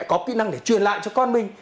có kỹ năng để truyền lại cho con mình